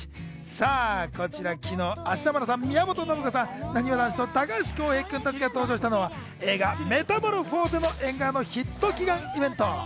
さぁこちら、昨日、芦田愛菜さん、宮本信子さん、なにわ男子の高橋恭平君たちが登場したのは、映画『メタモルフォーゼの縁側』のヒット祈願イベント。